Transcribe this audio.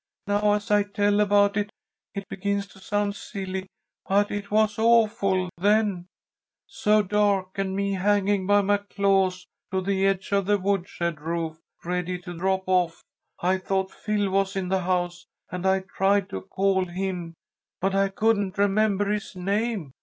Now as I tell about it, it begins to sound silly, but it was awful then, so dark, and me hanging by my claws to the edge of the wood shed roof, ready to drop off. I thought Phil was in the house, and I tried to call him, but I couldn't remember his name.